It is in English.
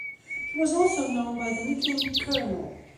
He was also known by the nickname 'Colonel'.